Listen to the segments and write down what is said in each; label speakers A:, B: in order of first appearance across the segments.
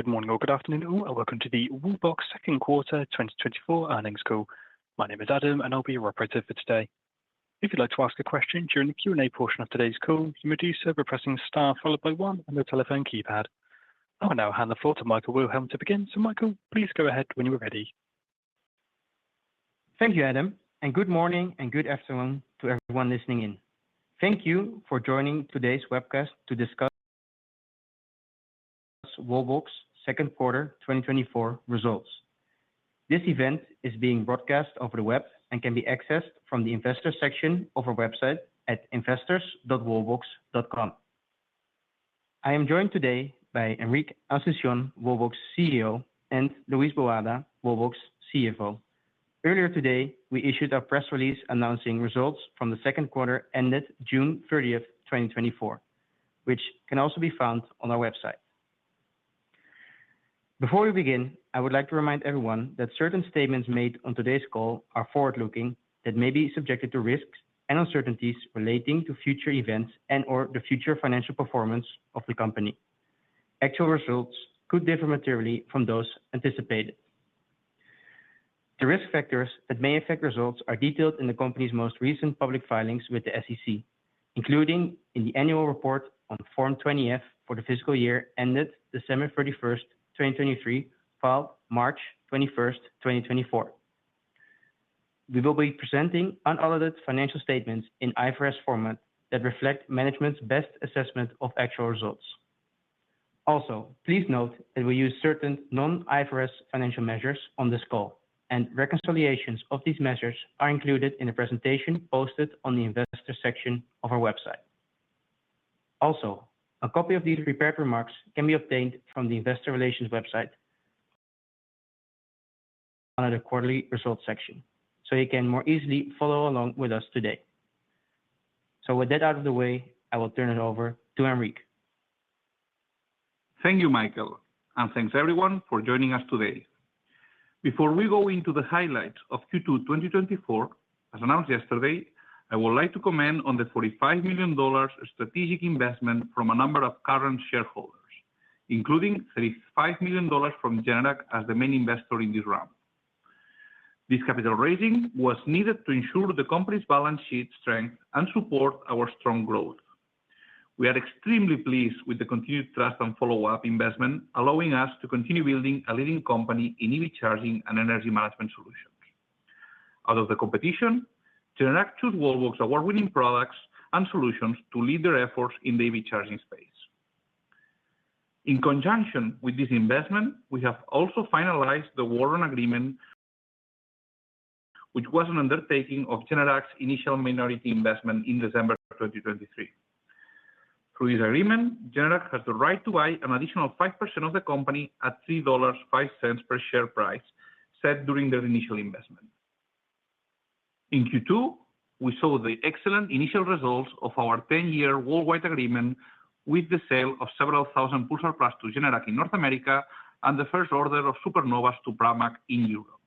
A: Good morning or good afternoon all, and welcome to the Wallbox Second Quarter 2024 earnings call. My name is Adam, and I'll be your operator for today. If you'd like to ask a question during the Q&A portion of today's call, you may do so by pressing Star followed by one on your telephone keypad. I will now hand the floor to Michael Wilhelm to begin. Michael, please go ahead when you're ready.
B: Thank you, Adam, and good morning and good afternoon to everyone listening in. Thank you for joining today's webcast to discuss Wallbox's Second Quarter 2024 results. This event is being broadcast over the web and can be accessed from the investor section of our website at investors.wallbox.com. I am joined today by Enric Asunción, Wallbox CEO, and Luis Boada, Wallbox CFO. Earlier today, we issued a press release announcing results from the second quarter ended June 30, 2024, which can also be found on our website. Before we begin, I would like to remind everyone that certain statements made on today's call are forward-looking that may be subjected to risks and uncertainties relating to future events and/or the future financial performance of the company. Actual results could differ materially from those anticipated. The risk factors that may affect results are detailed in the company's most recent public filings with the SEC, including in the annual report on Form 20-F for the fiscal year ended December 31, 2023, filed March 21, 2024. We will be presenting unaltered financial statements in IFRS format that reflect management's best assessment of actual results. Also, please note that we use certain non-IFRS financial measures on this call, and reconciliations of these measures are included in the presentation posted on the investor section of our website. Also, a copy of these prepared remarks can be obtained from the Investor Relations website under the Quarterly Results section, so you can more easily follow along with us today. So, with that out of the way, I will turn it over to Enric.
C: Thank you, Michael, and thanks everyone for joining us today. Before we go into the highlights of Q2 2024, as announced yesterday, I would like to comment on the $45 million strategic investment from a number of current shareholders, including $35 million from Generac as the main investor in this round. This capital raising was needed to ensure the company's balance sheet strength and support our strong growth. We are extremely pleased with the continued trust and follow-up investment, allowing us to continue building a leading company in EV charging and energy management solutions. Out of the competition, Generac chose Wallbox award-winning products and solutions to lead their efforts in the EV charging space. In conjunction with this investment, we have also finalized the Warrant Agreement, which was an undertaking of Generac's initial minority investment in December 2023. Through this agreement, Generac has the right to buy an additional 5% of the company at $3.05 per share price set during their initial investment. In Q2, we saw the excellent initial results of our 10-year worldwide agreement with the sale of several thousand Pulsar Plus to Generac in North America and the first order of Supernova to Pramac in Europe.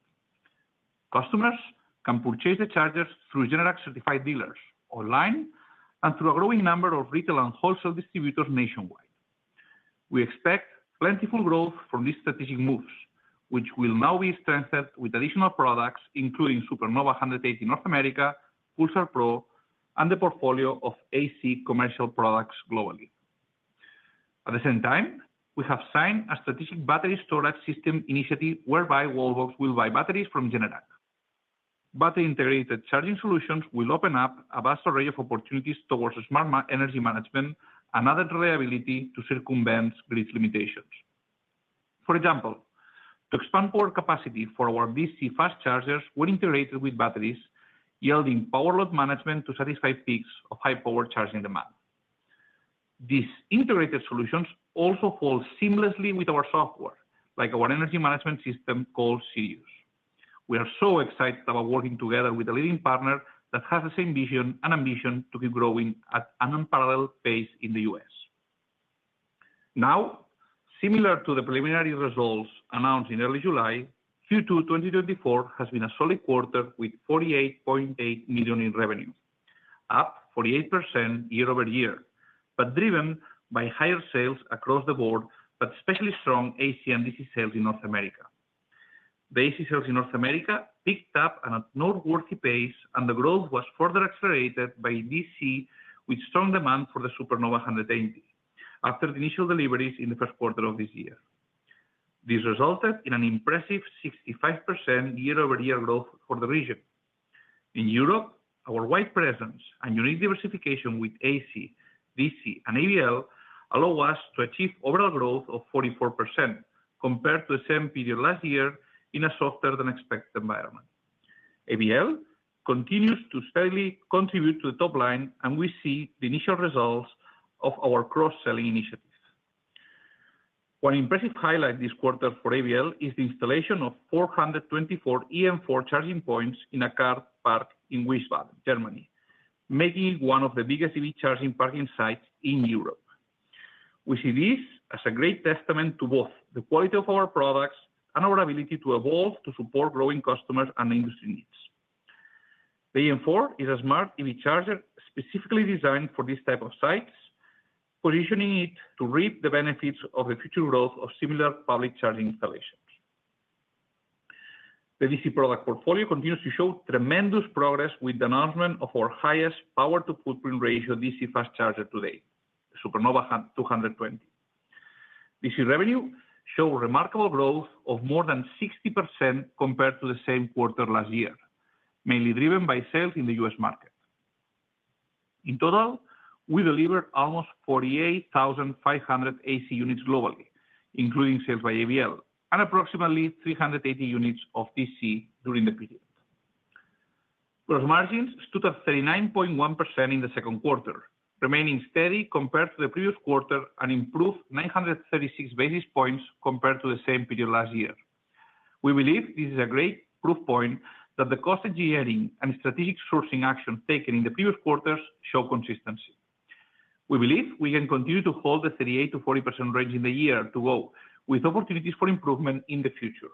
C: Customers can purchase the chargers through Generac-certified dealers online and through a growing number of retail and wholesale distributors nationwide. We expect plentiful growth from these strategic moves, which will now be strengthened with additional products including Supernova 180 North America, Pulsar Pro, and the portfolio of AC commercial products globally. At the same time, we have signed a strategic battery storage system initiative whereby Wallbox will buy batteries from Generac. Battery-integrated charging solutions will open up a vast array of opportunities towards smart energy management and added reliability to circumvent grid limitations. For example, to expand power capacity for our DC fast chargers when integrated with batteries, yielding power load management to satisfy peaks of high-power charging demand. These integrated solutions also fall seamlessly with our software, like our energy management system called SEI. We are so excited about working together with a leading partner that has the same vision and ambition to keep growing at an unparalleled pace in the U.S. Now, similar to the preliminary results announced in early July, Q2 2024 has been a solid quarter with $48.8 million in revenue, up 48% year-over-year, but driven by higher sales across the board, but especially strong AC and DC sales in North America. The AC sales in North America picked up at a noteworthy pace, and the growth was further accelerated by DC with strong demand for the Supernova 180 after the initial deliveries in the first quarter of this year. This resulted in an impressive 65% year-over-year growth for the region. In Europe, our wide presence and unique diversification with AC, DC, and ABL allow us to achieve overall growth of 44% compared to the same period last year in a softer-than-expected environment. ABL continues to steadily contribute to the top line, and we see the initial results of our cross-selling initiative. One impressive highlight this quarter for ABL is the installation of 424 eM4 charging points in a car park in Wiesbaden, Germany, making it one of the biggest EV charging parking sites in Europe. We see this as a great testament to both the quality of our products and our ability to evolve to support growing customers and industry needs. The eM4 is a smart EV charger specifically designed for this type of sites, positioning it to reap the benefits of the future growth of similar public charging installations. The DC product portfolio continues to show tremendous progress with the announcement of our highest power-to-footprint ratio DC fast charger today, the Supernova 220. DC revenue showed remarkable growth of more than 60% compared to the same quarter last year, mainly driven by sales in the U.S. market. In total, we delivered almost 48,500 AC units globally, including sales by ABL, and approximately 380 units of DC during the period. Gross margins stood at 39.1% in the second quarter, remaining steady compared to the previous quarter and improved 936 basis points compared to the same period last year. We believe this is a great proof point that the cost engineering and strategic sourcing actions taken in the previous quarters show consistency. We believe we can continue to hold the 38%-40% range in the year to go, with opportunities for improvement in the future.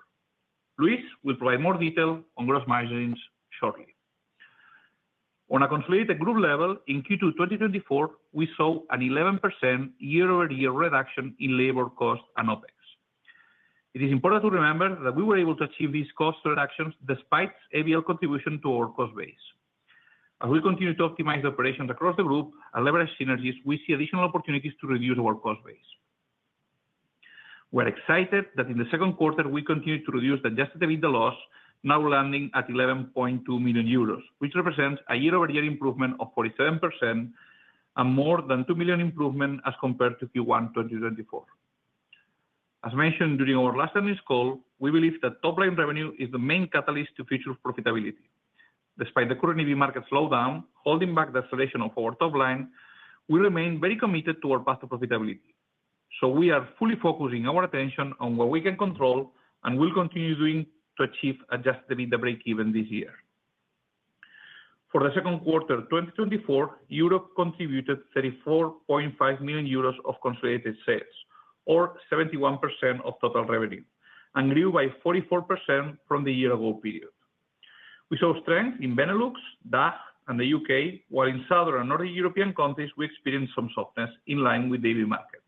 C: Luis will provide more detail on gross margins shortly. On a consolidated group level, in Q2 2024, we saw an 11% year-over-year reduction in labor cost and OPEX. It is important to remember that we were able to achieve these cost reductions despite ABL's contribution to our cost base. As we continue to optimize operations across the group and leverage synergies, we see additional opportunities to reduce our cost base. We are excited that in the second quarter, we continued to reduce the Adjusted EBITDA loss, now landing at 11.2 million euros, which represents a year-over-year improvement of 47% and more than 2 million improvement as compared to Q1 2024. As mentioned during our last earnings call, we believe that top-line revenue is the main catalyst to future profitability. Despite the current EV market slowdown holding back the acceleration of our top line, we remain very committed to our path to profitability. So, we are fully focusing our attention on what we can control and will continue doing to achieve Adjusted EBITDA break-even this year. For the second quarter 2024, Europe contributed 34.5 million euros of consolidated sales, or 71% of total revenue, and grew by 44% from the year-ago period. We saw strength in Benelux, DACH, and the U.K., while in southern and northern European countries, we experienced some softness in line with the EV market.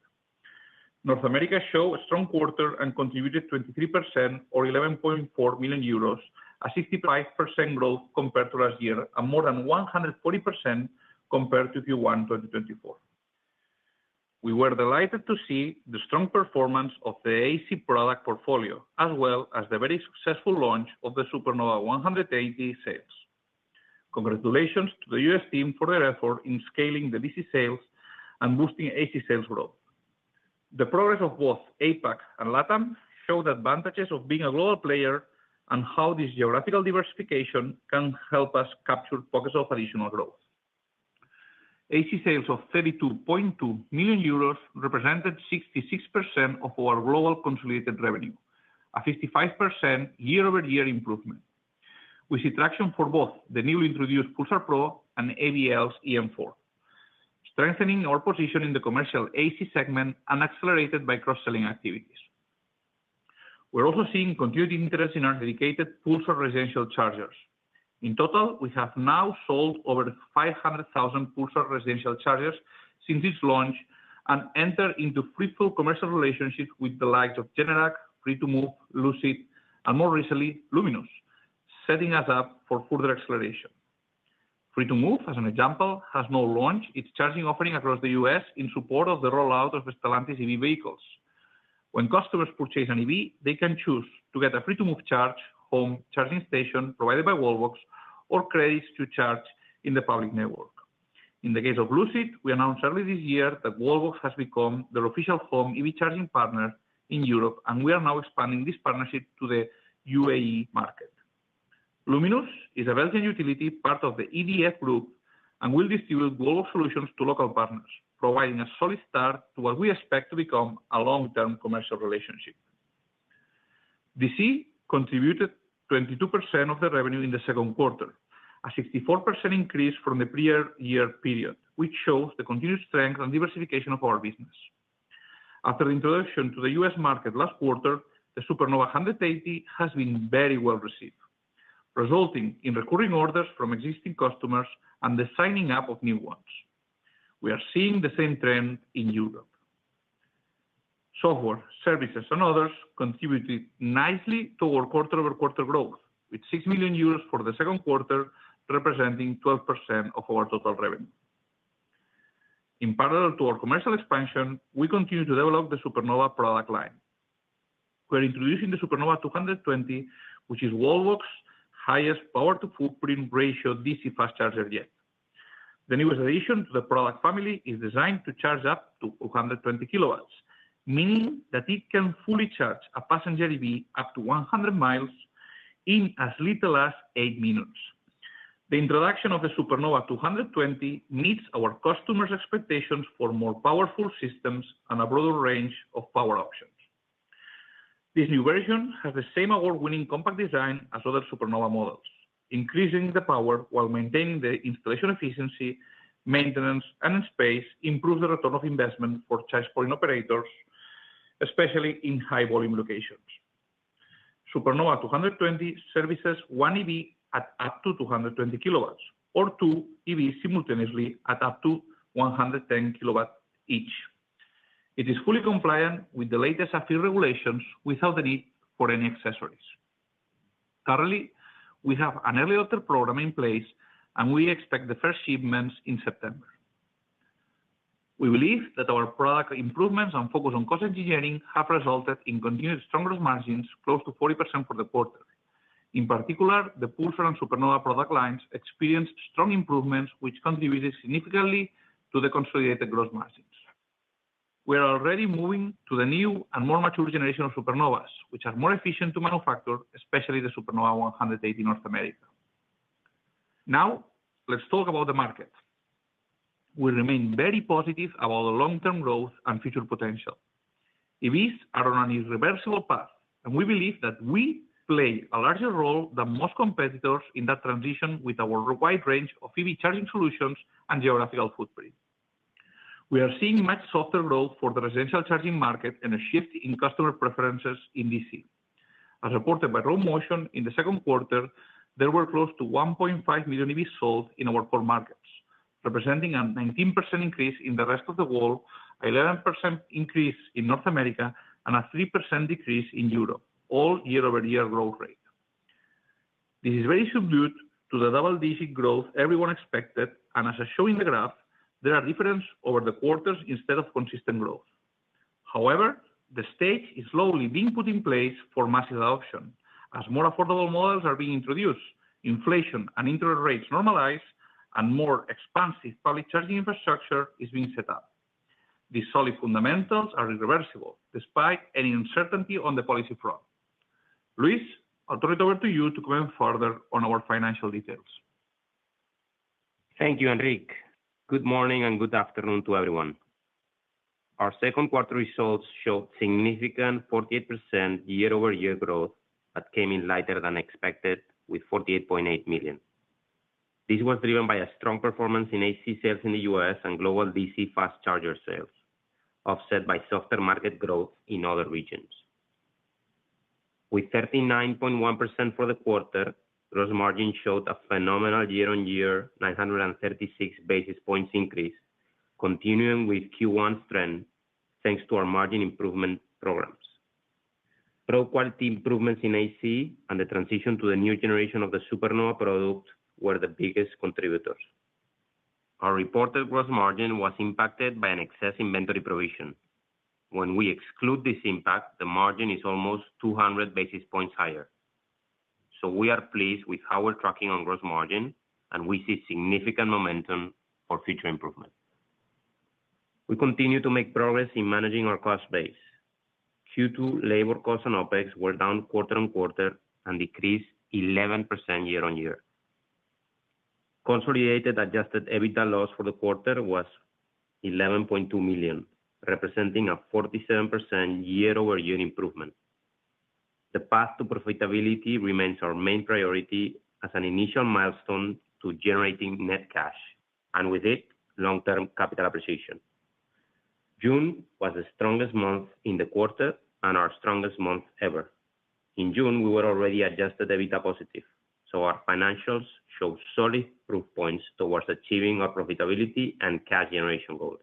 C: North America showed a strong quarter and contributed 23%, or 11.4 million euros, a 65% growth compared to last year and more than 140% compared to Q1 2024. We were delighted to see the strong performance of the AC product portfolio, as well as the very successful launch of the Supernova 180 sales. Congratulations to the U.S. team for their effort in scaling the DC sales and boosting AC sales growth. The progress of both APAC and LATAM showed the advantages of being a global player and how this geographical diversification can help us capture pockets of additional growth. AC sales of 32.2 million euros represented 66% of our global consolidated revenue, a 55% year-over-year improvement. We see traction for both the newly introduced Pulsar Pro and ABL's eM4, strengthening our position in the commercial AC segment and accelerated by cross-selling activities. We're also seeing continued interest in our dedicated Pulsar residential chargers. In total, we have now sold over 500,000 Pulsar residential chargers since its launch and entered into fruitful commercial relationships with the likes of Generac, Free2move, Lucid, and more recently, Luminus, setting us up for further acceleration. Free2move, as an example, has now launched its charging offering across the U.S. in support of the rollout of Stellantis EV vehicles. When customers purchase an EV, they can choose to get a Free2move Charge home charging station provided by Wallbox or credits to charge in the public network. In the case of Lucid, we announced early this year that Wallbox has become their official home EV charging partner in Europe, and we are now expanding this partnership to the UAE market. Luminus is a Belgian utility part of the EDF Group and will distribute Wallbox solutions to local partners, providing a solid start to what we expect to become a long-term commercial relationship. DC contributed 22% of the revenue in the second quarter, a 64% increase from the prior year period, which shows the continued strength and diversification of our business. After the introduction to the U.S. market last quarter, the Supernova 180 has been very well received, resulting in recurring orders from existing customers and the signing up of new ones. We are seeing the same trend in Europe. Software, services, and others contributed nicely to our quarter-over-quarter growth, with 6 million euros for the second quarter representing 12% of our total revenue. In parallel to our commercial expansion, we continue to develop the Supernova product line. We are introducing the Supernova 220, which is Wallbox's highest power-to-footprint ratio DC fast charger yet. The newest addition to the product family is designed to charge up to 220 kW, meaning that it can fully charge a passenger EV up to 100 mi in as little as 8 minutes. The introduction of the Supernova 220 meets our customers' expectations for more powerful systems and a broader range of power options. This new version has the same award-winning compact design as other Supernova models, increasing the power while maintaining the installation efficiency, maintenance, and space, improving the return of investment for charge point operators, especially in high-volume locations. Supernova 220 services 1 EV at up to 220 kW or two EVs simultaneously at up to 110 kW each. It is fully compliant with the latest AFI Regulations without the need for any accessories. Currently, we have an early order program in place, and we expect the first shipments in September. We believe that our product improvements and focus on cost engineering have resulted in continued strong gross margins, close to 40% for the quarter. In particular, the Pulsar and Supernova product lines experienced strong improvements, which contributed significantly to the consolidated gross margins. We are already moving to the new and more mature generation of Supernovas, which are more efficient to manufacture, especially the Supernova 180 North America. Now, let's talk about the market. We remain very positive about the long-term growth and future potential. EVs are on an irreversible path, and we believe that we play a larger role than most competitors in that transition with our wide range of EV charging solutions and geographical footprint. We are seeing much softer growth for the residential charging market and a shift in customer preferences in DC. As reported by Rho Motion, in the second quarter, there were close to 1.5 million EVs sold in our core markets, representing a 19% increase in the rest of the world, an 11% increase in North America, and a 3% decrease in Europe, all year-over-year growth rate. This is very similar to the double-digit growth everyone expected, and as shown in the graph, there are differences over the quarters instead of consistent growth. However, the stage is slowly being put in place for massive adoption, as more affordable models are being introduced, inflation and interest rates normalize, and more expansive public charging infrastructure is being set up. These solid fundamentals are irreversible, despite any uncertainty on the policy front. Luis, I'll turn it over to you to comment further on our financial details.
D: Thank you, Enric. Good morning and good afternoon to everyone. Our second quarter results showed significant 48% year-over-year growth that came in lighter than expected, with 48.8 million. This was driven by a strong performance in AC sales in the U.S. and global DC fast charger sales, offset by softer market growth in other regions. With 39.1% for the quarter, gross margin showed a phenomenal year-over-year 936 basis points increase, continuing with Q1 strength thanks to our margin improvement programs. Product-quality improvements in AC and the transition to the new generation of the Supernova product were the biggest contributors. Our reported gross margin was impacted by an excess inventory provision. When we exclude this impact, the margin is almost 200 basis points higher. So, we are pleased with how we're tracking on gross margin, and we see significant momentum for future improvement. We continue to make progress in managing our cost base. Q2 labor costs and OPEX were down quarter-over-quarter and decreased 11% year-on-year. Consolidated adjusted EBITDA loss for the quarter was 11.2 million, representing a 47% year-over-year improvement. The path to profitability remains our main priority as an initial milestone to generating net cash, and with it, long-term capital appreciation. June was the strongest month in the quarter and our strongest month ever. In June, we were already Adjusted EBITDA positive, so our financials show solid proof points towards achieving our profitability and cash generation goals.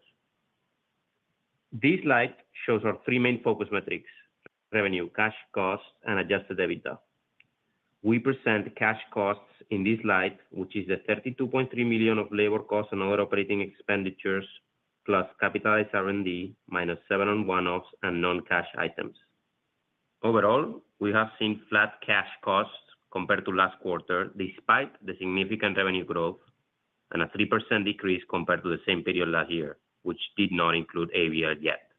D: This slide shows our three main focus metrics: revenue, cash cost, and Adjusted EBITDA. We present cash costs in this slide, which is the 32.3 million of labor costs and other operating expenditures, plus capitalized R&D minus one-offs and non-cash items. Overall, we have seen flat cash costs compared to last quarter, despite the significant revenue growth and a 3% decrease compared to the same period last year, which did not include ABL yet.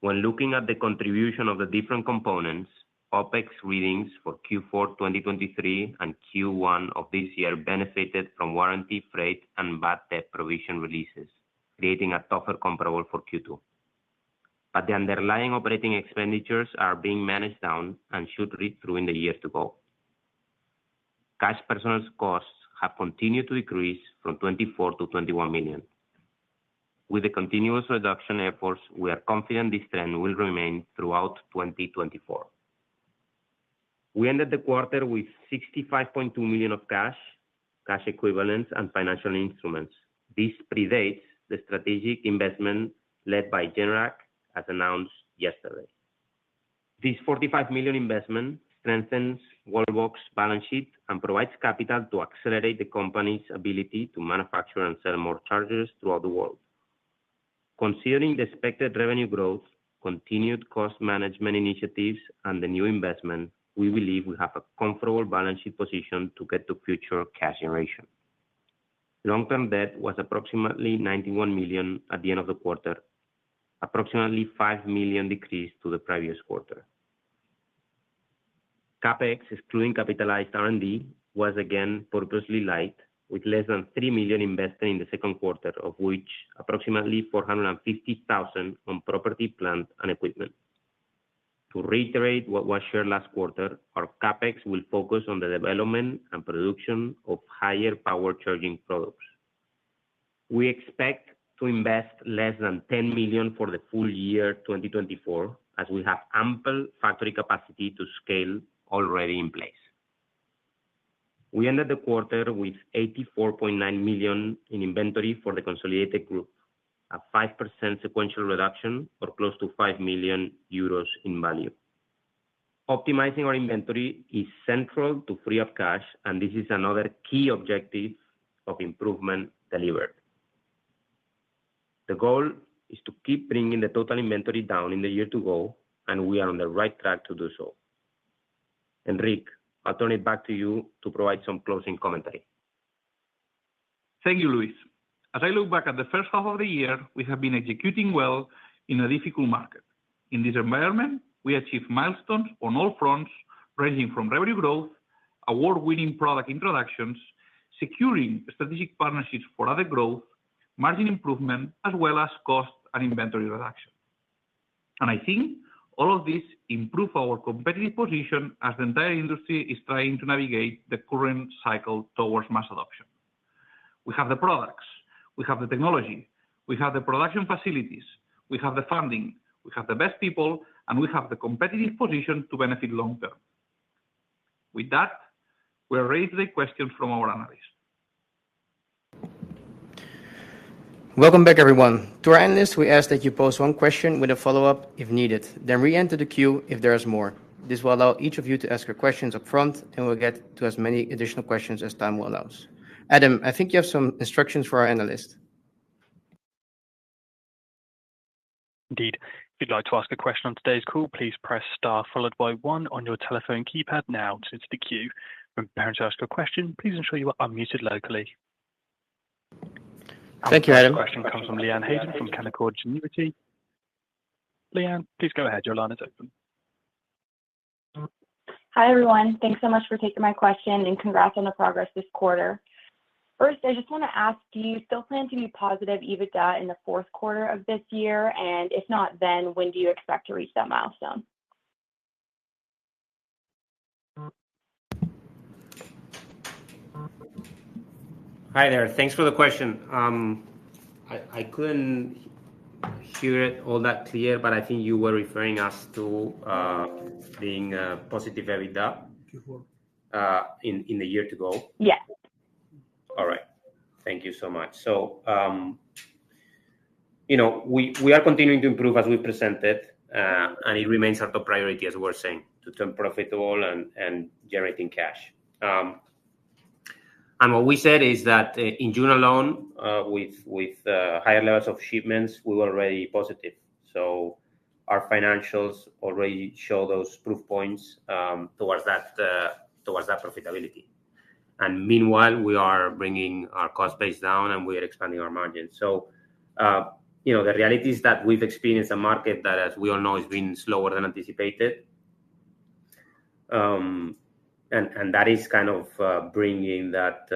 D: When looking at the contribution of the different components, OPEX readings for Q4 2023 and Q1 of this year benefited from warranty freight and VAT debt provision releases, creating a tougher comparable for Q2. But the underlying operating expenditures are being managed down and should read through in the year to go. Cash personnel costs have continued to decrease from 24 million to 21 million. With the continuous reduction efforts, we are confident this trend will remain throughout 2024. We ended the quarter with 65.2 million of cash, cash equivalents, and financial instruments. This predates the strategic investment led by Generac, as announced yesterday. This 45 million investment strengthens Wallbox balance sheet and provides capital to accelerate the company's ability to manufacture and sell more chargers throughout the world. Considering the expected revenue growth, continued cost management initiatives, and the new investment, we believe we have a comfortable balance sheet position to get to future cash generation. Long-term debt was approximately 91 million at the end of the quarter, approximately 5 million decreased to the previous quarter. CAPEX, excluding capitalized R&D, was again purposely light, with less than 3 million invested in the second quarter, of which approximately 450,000 on property, plant, and equipment. To reiterate what was shared last quarter, our CAPEX will focus on the development and production of higher power charging products. We expect to invest less than 10 million for the full year 2024, as we have ample factory capacity to scale already in place. We ended the quarter with 84.9 million in inventory for the consolidated group, a 5% sequential reduction or close to 5 million euros in value. Optimizing our inventory is central to free up cash, and this is another key objective of improvement delivered. The goal is to keep bringing the total inventory down in the year to go, and we are on the right track to do so Enric, I'll turn it back to you to provide some closing commentary.
C: Thank you, Luis. As I look back at the first half of the year, we have been executing well in a difficult market. In this environment, we achieved milestones on all fronts, ranging from revenue growth, award-winning product introductions, securing strategic partnerships and other growth, margin improvement, as well as cost and inventory reduction. I think all of this improves our competitive position as the entire industry is trying to navigate the current cycle towards mass adoption. We have the products, we have the technology, we have the production facilities, we have the funding, we have the best people, and we have the competitive position to benefit long-term. With that, we're ready to take questions from our analysts.
B: Welcome back, everyone. To our analysts, we ask that you pose one question with a follow-up if needed. Then re-enter the queue if there are more. This will allow each of you to ask your questions upfront, and we'll get to as many additional questions as time will allow. Adam, I think you have some instructions for our analyst.
A: Indeed. If you'd like to ask a question on today's call, please press star followed by one on your telephone keypad now to the queue. When prompted ask a question, please ensure you are unmuted locally.
B: Thank you, Adam.
A: The question comes from Leanne Hayden from Canaccord Genuity. Leanne, please go ahead. Your line is open.
E: Hi, everyone. Thanks so much for taking my question and congrats on the progress this quarter. First, I just want to ask, do you still plan to be positive EBITDA in the fourth quarter of this year? And if not, then when do you expect to reach that milestone?
D: Hi there. Thanks for the question. I couldn't hear it all that clear, but I think you were referring us to being positive EBITDA in the year to go.
E: Yes.
D: All right. Thank you so much. We are continuing to improve as we presented, and it remains our top priority, as we were saying, to turn profitable and generating cash. What we said is that in June alone, with higher levels of shipments, we were already positive. Our financials already show those proof points towards that profitability. Meanwhile, we are bringing our cost base down, and we are expanding our margin. The reality is that we've experienced a market that, as we all know, has been slower than anticipated. That is kind of bringing that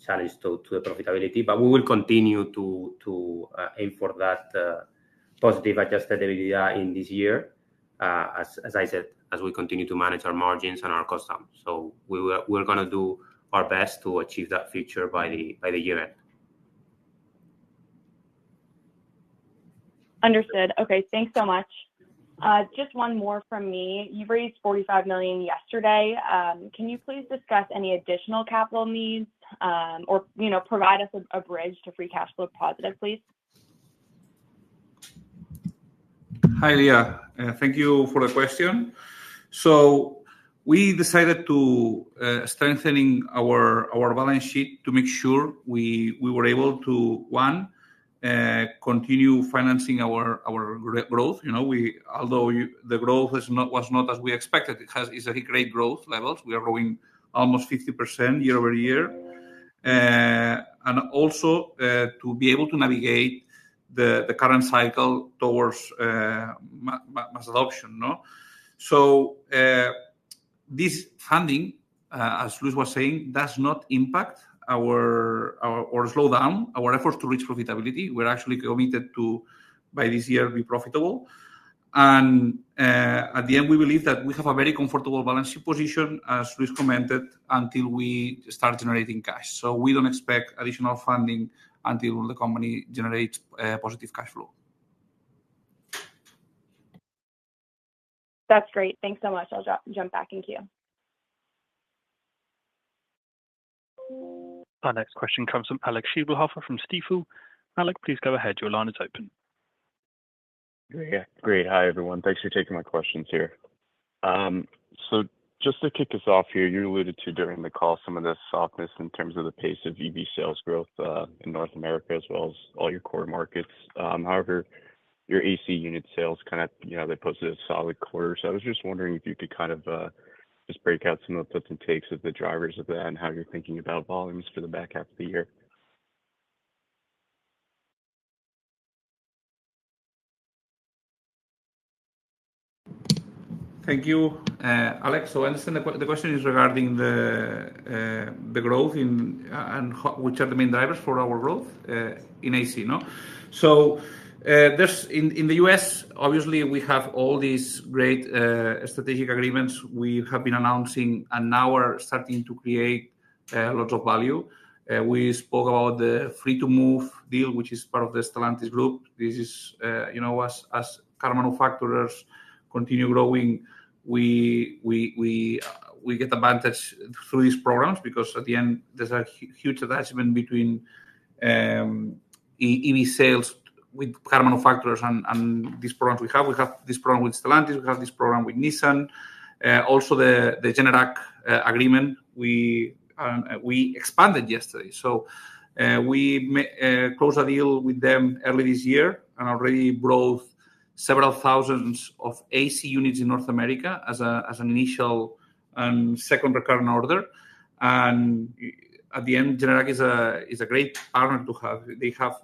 D: challenge to the profitability. But we will continue to aim for that positive Adjusted EBITDA in this year, as I said, as we continue to manage our margins and our costs. So we're going to do our best to achieve that by the year end.
E: Understood. Okay. Thanks so much. Just one more from me. You raised $45 million yesterday. Can you please discuss any additional capital needs or provide us a bridge to free cash flow positive, please?
C: Hi, Leanne. Thank you for the question. So we decided to strengthen our balance sheet to make sure we were able to, one, continue financing our growth. Although the growth was not as we expected, it's a great growth level. We are growing almost 50% year-over-year. And also to be able to navigate the current cycle towards mass adoption. So this funding, as Luis was saying, does not impact or slow down our efforts to reach profitability. We're actually committed to, by this year, be profitable. And at the end, we believe that we have a very comfortable balance sheet position, as Luis commented, until we start generating cash. So we don't expect additional funding until the company generates positive cash flow.
E: That's great. Thanks so much. I'll jump back in queue.
A: Our next question comes from Alec Scheibelhoffer from Stifel. Alec, please go ahead. Your line is open.
F: Great. Hi, everyone. Thanks for taking my questions here. So just to kick us off here, you alluded to during the call some of the softness in terms of the pace of EV sales growth in North America as well as all your core markets. However, your AC unit sales, they posted a solid quarter. So I was just wondering if you could kind of just break out some of the takes of the drivers of that and how you're thinking about volumes for the back half of the year.
C: Thank you, Alec. So I understand the question is regarding the growth and which are the main drivers for our growth in AC. So in the U.S., obviously, we have all these great strategic agreements we have been announcing and now are starting to create lots of value. We spoke about the Free2move deal, which is part of the Stellantis group. This is, as car manufacturers continue growing, we get advantage through these programs because at the end, there's a huge attachment between EV sales with car manufacturers and these programs we have. We have this program with Stellantis. We have this program with Nissan. Also, the Generac agreement, we expanded yesterday. So we closed a deal with them early this year and already brought several thousands of AC units in North America as an initial and second recurring order. And at the end, Generac is a great partner to have, they have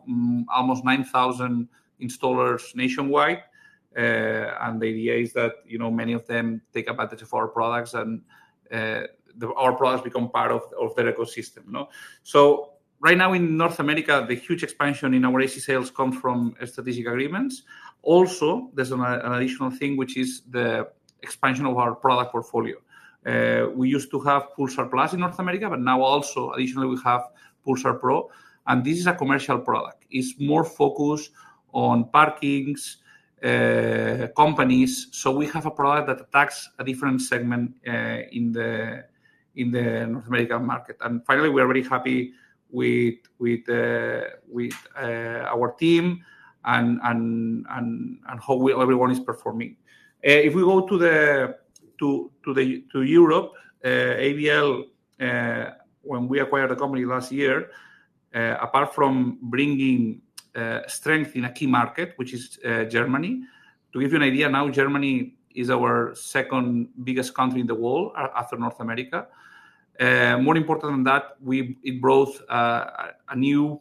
C: almost 9,000 installers nationwide. And the idea is that many of them take advantage of our products and our products become part of their ecosystem. So right now in North America, the huge expansion in our AC sales comes from strategic agreements. Also, there's an additional thing, which is the expansion of our product portfolio. We used to have Pulsar Plus in North America, but now also, additionally, we have Pulsar Pro. And this is a commercial product. It's more focused on parking companies. So we have a product that attacks a different segment in the North American market. Finally, we are very happy with our team and how well everyone is performing. If we go to Europe, ABL, when we acquired the company last year, apart from bringing strength in a key market, which is Germany, to give you an idea, now Germany is our second biggest country in the world after North America. More important than that, it brought a new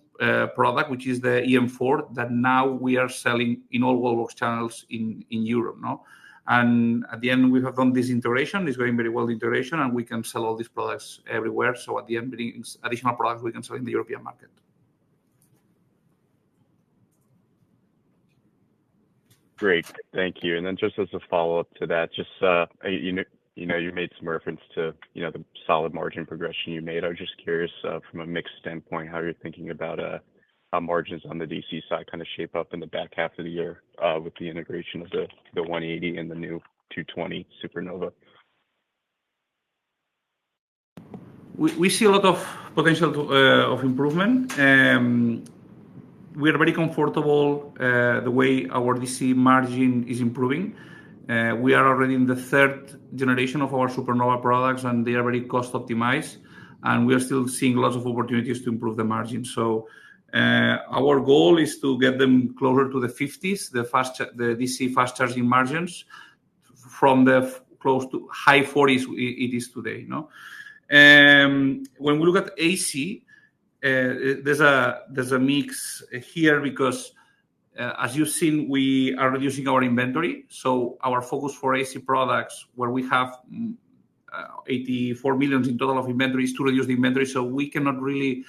C: product, which is the eM4, that now we are selling in all Wallbox channels in Europe. At the end, we have done this integration. It's going very well, the integration, and we can sell all these products everywhere. At the end, additional products we can sell in the European market.
F: Great. Thank you. Then just as a follow-up to that, you made some reference to the solid margin progression you made. I'm just curious, from a mixed standpoint, how you're thinking about how margins on the DC side kind of shape up in the back half of the year with the integration of the 180 and the new 220 Supernova.
C: We see a lot of potential of improvement. We are very comfortable the way our DC margin is improving. We are already in the third generation of our Supernova products, and they are very cost-optimized. And we are still seeing lots of opportunities to improve the margin. So our goal is to get them closer to the 50s, the DC fast charging margins from the close to high 40s it is today. When we look at AC, there's a mix here because, as you've seen, we are reducing our inventory. So our focus for AC products, where we have 84 million in total of inventory, is to reduce the inventory. So we cannot really,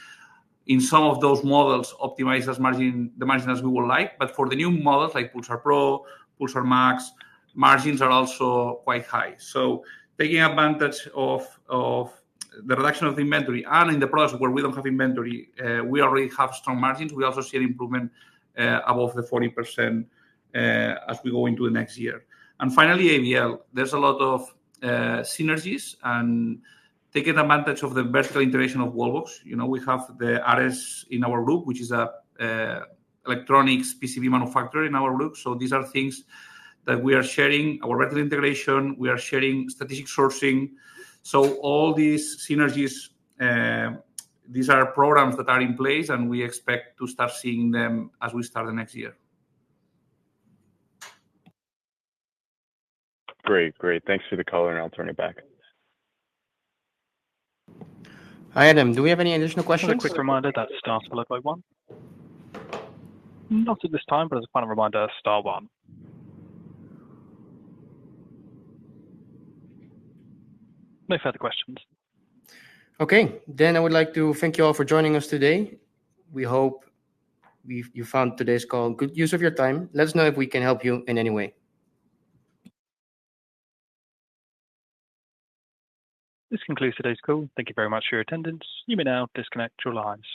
C: in some of those models, optimize the margin as we would like. But for the new models like Pulsar Pro, Pulsar Max, margins are also quite high. So taking advantage of the reduction of the inventory and in the products where we don't have inventory, we already have strong margins. We also see an improvement above the 40% as we go into the next year. And finally, ABL, there's a lot of synergies and taking advantage of the vertical integration of Wallbox. We have the Ares in our group, which is an electronics PCB manufacturer in our group. So these are things that we are sharing, our vertical integration. We are sharing strategic sourcing. So all these synergies, these are programs that are in place, and we expect to start seeing them as we start the next year.
F: Great. Thanks for the call, and I'll turn it back.
B: Hi, Adam. Do we have any additional questions?
A: Just a quick reminder that starts at 11:00. Not at this time, but as a final reminder, start at 11:00. No further questions.
B: Okay. I would like to thank you all for joining us today. We hope you found today's call good use of your time. Let us know if we can help you in any way.
A: This concludes today's call. Thank you very much for your attendance. You may now disconnect your lines.